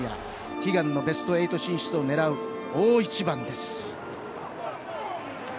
悲願のベスト８進出を狙う大一番です。